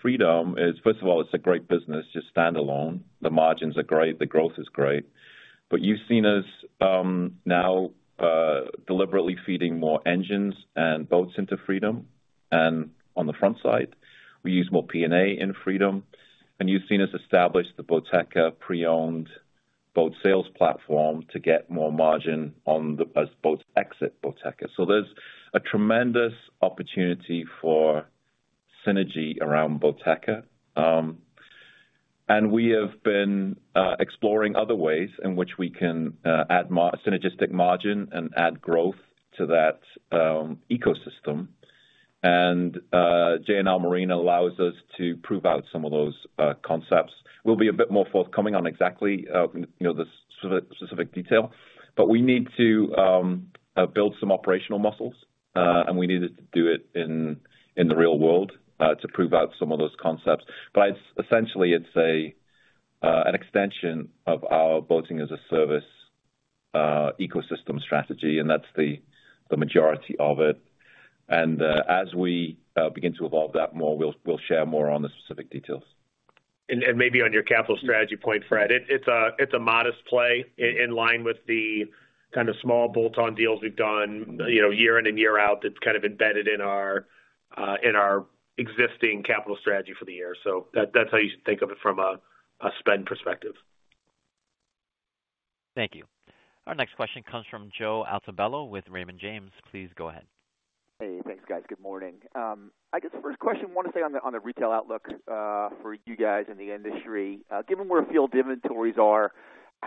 Freedom is, first of all, it's a great business just standalone. The margins are great, the growth is great. You've seen us now deliberately feeding more engines and boats into Freedom. On the front side, we use more PNA in Freedom, and you've seen us establish the Boateka pre-owned boat sales platform to get more margin as boats exit Boateka. There's a tremendous opportunity for synergy around Boateka. We have been exploring other ways in which we can add synergistic margin and add growth to that ecosystem. J&R Marine allows us to prove out some of those concepts. We'll be a bit more forthcoming on exactly, you know, the specific detail, but we need to build some operational muscles, and we needed to do it in the real world to prove out some of those concepts. Essentially it's an extension of our Boating-as-a-Service ecosystem strategy, and that's the majority of it. As we begin to evolve that more, we'll share more on the specific details. Maybe on your capital strategy point, Fred, it's a modest play in line with the kind of small bolt-on deals we've done, you know, year in and year out that's kind of embedded in our existing capital strategy for the year. That's how you should think of it from a spend perspective. Thank you. Our next question comes from Joe Altobello with Raymond James. Please go ahead. Hey, thanks, guys. Good morning. I guess first question I want to say on the retail outlook for you guys in the industry. Given where field inventories are,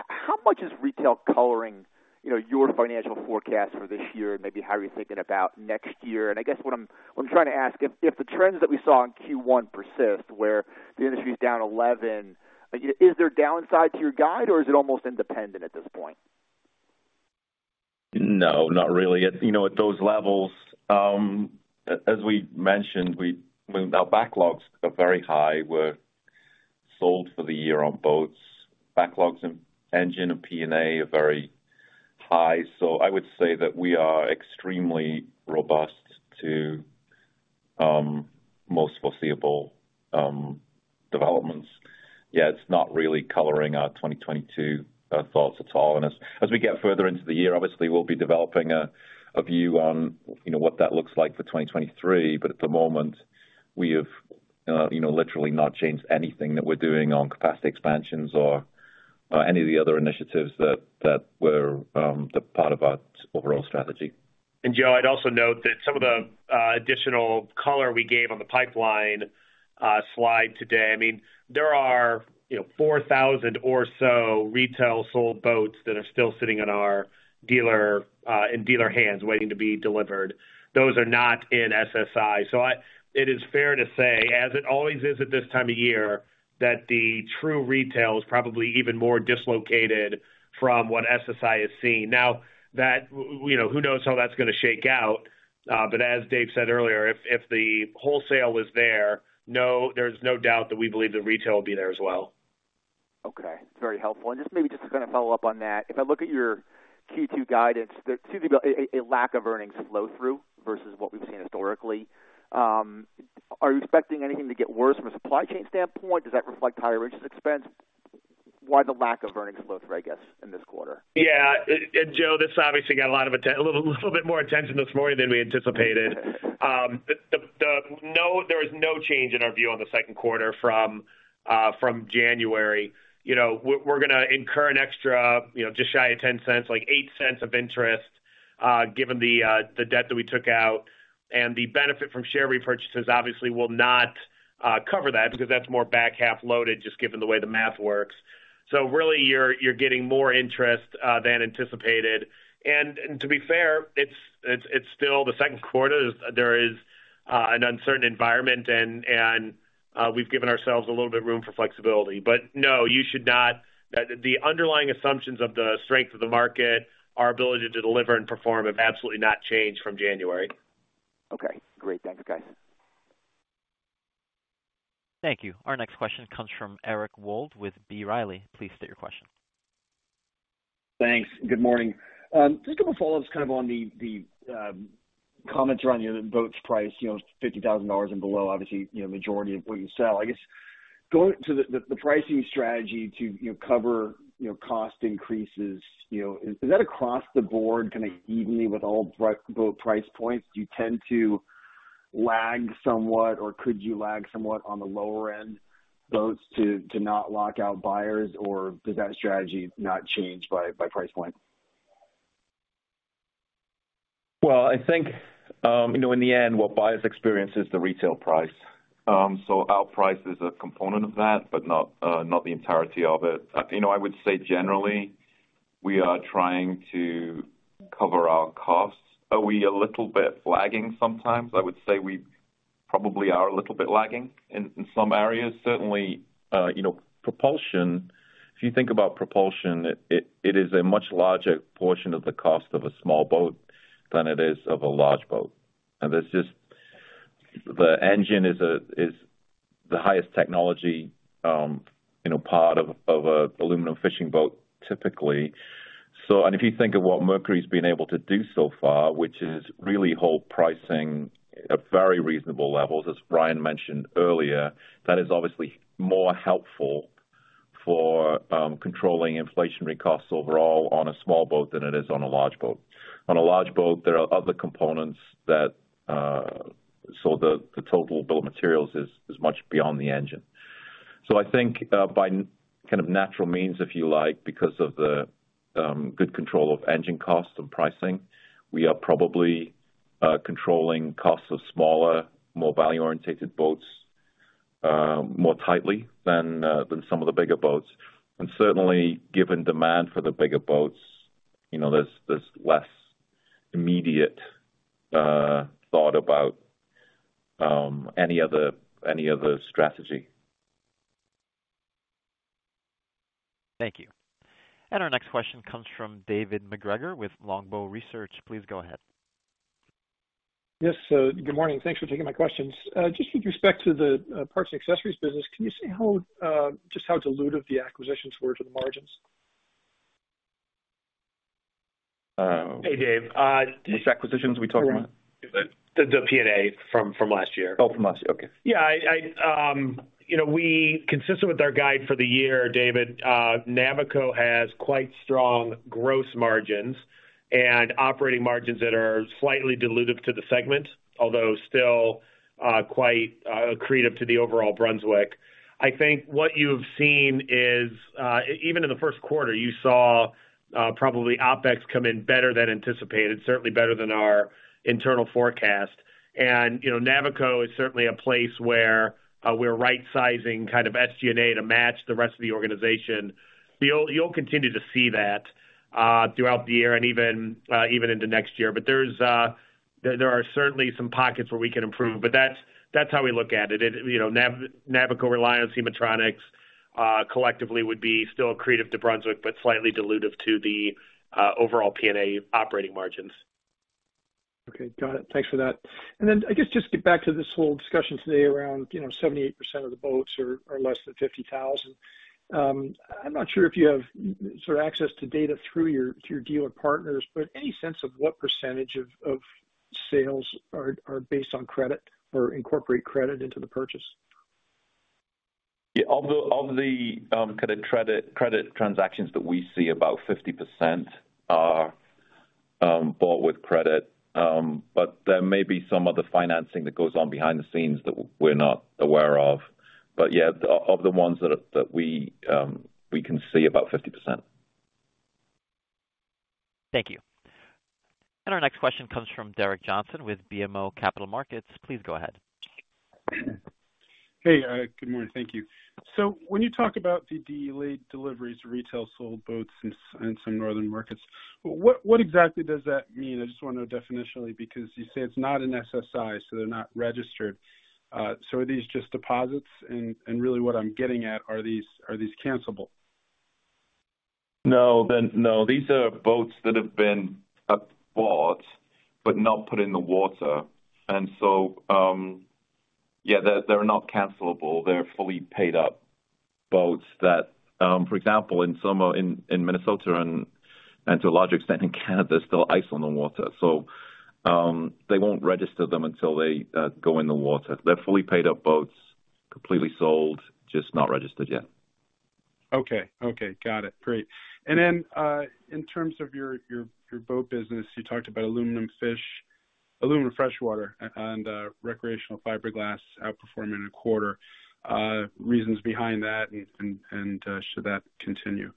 how much is retail coloring, you know, your financial forecast for this year and maybe how are you thinking about next year? I guess what I'm trying to ask, if the trends that we saw in Q1 persist, where the industry is down 11%, you know, is there downside to your guide or is it almost independent at this point? No, not really. You know, at those levels, as we mentioned, our backlogs are very high. We're sold for the year on boats. Backlogs in engine and PNA are very high. I would say that we are extremely robust to most foreseeable developments. Yeah, it's not really coloring our 2022 thoughts at all. As we get further into the year, obviously we'll be developing a view on, you know, what that looks like for 2023. At the moment we have, you know, literally not changed anything that we're doing on capacity expansions or any of the other initiatives that were the part of our overall strategy. Joe, I'd also note that some of the additional color we gave on the pipeline slide today. I mean, there are, you know, 4,000 or so retail sold boats that are still sitting in our dealer in dealer hands waiting to be delivered. Those are not in SSI. It is fair to say, as it always is at this time of year, that the true retail is probably even more dislocated from what SSI is seeing. Now, you know, who knows how that's gonna shake out? But as Dave said earlier, if the wholesale was there's no doubt that we believe the retail will be there as well. Okay. Very helpful. Just maybe gonna follow up on that. If I look at your Q2 guidance, there seems to be a lack of earnings flow through versus what we've seen historically. Are you expecting anything to get worse from a supply chain standpoint? Does that reflect higher interest expense? Why the lack of earnings flow through, I guess, in this quarter? Yeah. And Joe, this obviously got a little bit more attention this morning than we anticipated. No, there is no change in our view on the second quarter from January. You know, we're gonna incur an extra, you know, just shy of $0.10, like $0.08 of interest, given the debt that we took out. The benefit from share repurchases obviously will not cover that because that's more back half loaded just given the way the math works. Really you're getting more interest than anticipated. To be fair, it's still the second quarter. There is an uncertain environment and we've given ourselves a little bit of room for flexibility. No, you should not. The underlying assumptions of the strength of the market, our ability to deliver and perform, have absolutely not changed from January. Okay, great. Thanks, guys. Thank you. Our next question comes from Eric Wold with B. Riley. Please state your question. Thanks. Good morning. Just a couple follow-ups kind of on the comments around, you know, the boats priced, you know, $50,000 and below, obviously, you know, majority of what you sell. I guess going to the pricing strategy to, you know, cover, you know, cost increases, you know, is that across the board kinda evenly with all per-boat price points? Do you tend to lag somewhat or could you lag somewhat on the lower end boats to not lock out buyers? Or does that strategy not change by price point? Well, I think, you know, in the end, what buyers experience is the retail price. So our price is a component of that, but not the entirety of it. You know, I would say generally, we are trying to cover our costs. Are we a little bit lagging sometimes? I would say we probably are a little bit lagging in some areas. Certainly, you know, propulsion. If you think about propulsion, it is a much larger portion of the cost of a small boat than it is of a large boat. It's just the engine is the highest technology, you know, part of a aluminum fishing boat, typically. If you think of what Mercury's been able to do so far, which is really hold pricing at very reasonable levels, as Ryan mentioned earlier, that is obviously more helpful for controlling inflationary costs overall on a small boat than it is on a large boat. On a large boat, there are other components that the total bill of materials is much beyond the engine. I think by kind of natural means, if you like, because of the good control of engine costs and pricing, we are probably controlling costs of smaller, more value-oriented boats more tightly than some of the bigger boats. Certainly given demand for the bigger boats, you know, there's less immediate thought about any other strategy. Thank you. Our next question comes from David MacGregor with Longbow Research. Please go ahead. Yes. Good morning. Thanks for taking my questions. Just with respect to the parts and accessories business, can you say how just how dilutive the acquisitions were to the margins? Hey, Dave. Which acquisitions are we talking about? The P&A from last year. Oh, from last year. Okay. Yeah. You know, we're consistent with our guide for the year, David. Navico has quite strong gross margins and operating margins that are slightly dilutive to the segment, although still quite accretive to the overall Brunswick. I think what you've seen is even in the first quarter, you saw probably OpEx come in better than anticipated, certainly better than our internal forecast. You know, Navico is certainly a place where we're right sizing kind of SG&A to match the rest of the organization. You'll continue to see that throughout the year and even into next year. There are certainly some pockets where we can improve, but that's how we look at it. You know, Navico, RELiON, Humminbird, collectively would be still accretive to Brunswick, but slightly dilutive to the overall P&A operating margins. Okay, got it. Thanks for that. Then I guess just get back to this whole discussion today around, you know, 78% of the boats are less than $50,000. I'm not sure if you have sort of access to data through your dealer partners, but any sense of what percentage of sales are based on credit or incorporate credit into the purchase? Yeah. Of the kind of credit transactions that we see, about 50% are bought with credit. There may be some other financing that goes on behind the scenes that we're not aware of. Yeah, of the ones that we can see, about 50%. Thank you. Our next question comes from Gerrick Johnson with BMO Capital Markets. Please go ahead. Hey, good morning. Thank you. When you talk about the delayed deliveries of retail sold boats in some northern markets, what exactly does that mean? I just wanna know definitionally, because you say it's not an SSI, so they're not registered. Are these just deposits? Really what I'm getting at, are these cancelable? No, then no. These are boats that have been bought but not put in the water. Yeah, they're not cancelable. They're fully paid-up boats that, for example, in summer in Minnesota and to a large extent in Canada, there's still ice on the water, so they won't register them until they go in the water. They're fully paid-up boats, completely sold, just not registered yet. Okay. Got it. Great. In terms of your boat business, you talked about aluminum freshwater and recreational fiberglass outperforming a quarter. Reasons behind that and should that continue?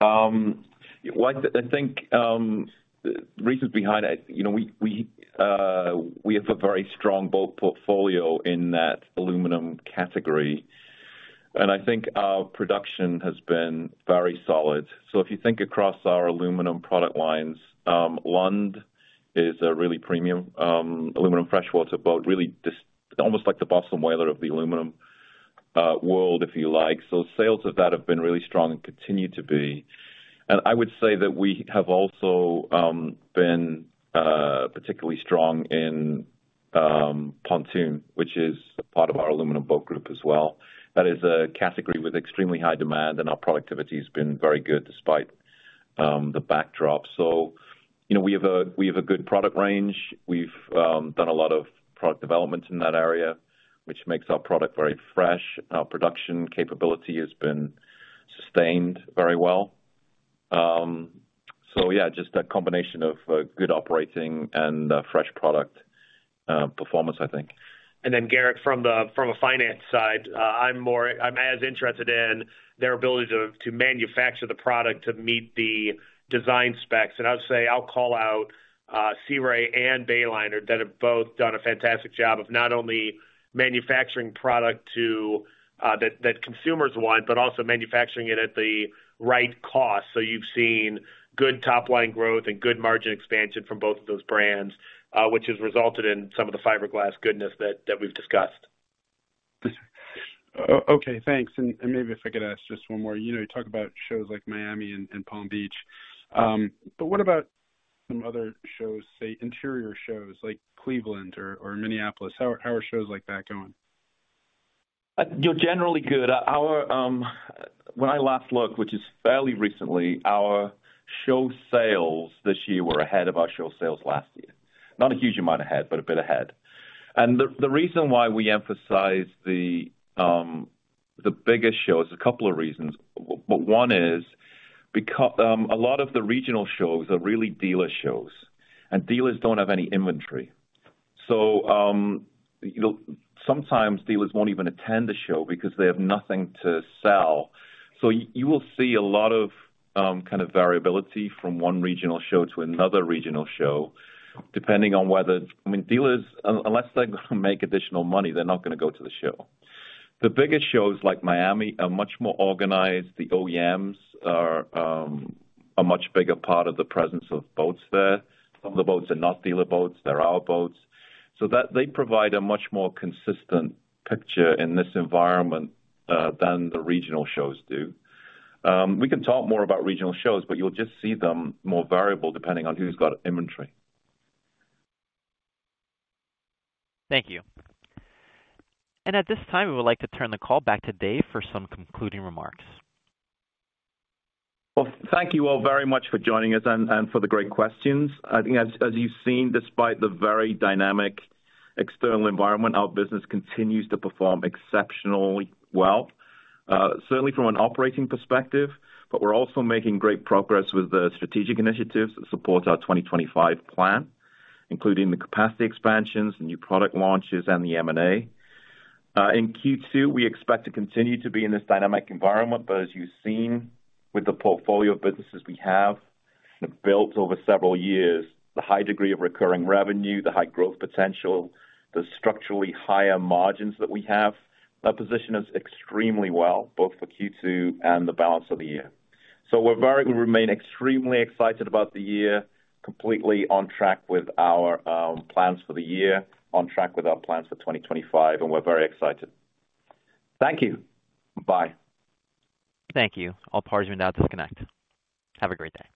I think the reasons behind it, you know, we have a very strong boat portfolio in that aluminum category, and I think our production has been very solid. If you think across our aluminum product lines, Lund is a really premium aluminum freshwater boat, really just almost like the Boston Whaler of the aluminum world, if you like. Sales of that have been really strong and continue to be. I would say that we have also been particularly strong in pontoon, which is part of our aluminum boat group as well. That is a category with extremely high demand, and our productivity has been very good despite the backdrop. You know, we have a good product range. We've done a lot of product development in that area, which makes our product very fresh. Our production capability has been sustained very well. Yeah, just a combination of good operating and fresh product performance, I think. Gerrick, from a finance side, I'm as interested in their ability to manufacture the product to meet the design specs. I would say I'll call out Sea Ray and Bayliner that have both done a fantastic job of not only manufacturing product to that consumers want, but also manufacturing it at the right cost. You've seen good top-line growth and good margin expansion from both of those brands, which has resulted in some of the fiberglass goodness that we've discussed. Okay, thanks. Maybe if I could ask just one more. You know, you talk about shows like Miami and Palm Beach. What about some other shows, say, interior shows like Cleveland or Minneapolis? How are shows like that going? You know, generally good. When I last looked, which is fairly recently, our show sales this year were ahead of our show sales last year. Not a huge amount ahead, but a bit ahead. The reason why we emphasize the biggest shows, a couple of reasons. But one is because a lot of the regional shows are really dealer shows, and dealers don't have any inventory. You know, sometimes dealers won't even attend a show because they have nothing to sell. You will see a lot of kind of variability from one regional show to another regional show, depending on whether I mean, dealers, unless they're gonna make additional money, they're not gonna go to the show. The biggest shows like Miami are much more organized. The OEMs are a much bigger part of the presence of boats there. Some of the boats are not dealer boats, they're our boats. That they provide a much more consistent picture in this environment than the regional shows do. We can talk more about regional shows, but you'll just see them more variable depending on who's got inventory. Thank you. At this time, we would like to turn the call back to Dave for some concluding remarks. Well, thank you all very much for joining us and for the great questions. I think you've seen, despite the very dynamic external environment, our business continues to perform exceptionally well, certainly from an operating perspective, but we're also making great progress with the strategic initiatives that support our 2025 plan, including the capacity expansions, the new product launches, and the M&A. In Q2, we expect to continue to be in this dynamic environment, but as you've seen with the portfolio of businesses we have built over several years, the high degree of recurring revenue, the high growth potential, the structurally higher margins that we have, that position us extremely well, both for Q2 and the balance of the year. We remain extremely excited about the year, completely on track with our plans for the year, on track with our plans for 2025, and we're very excited. Thank you. Bye. Thank you. All parties are now disconnected. Have a great day.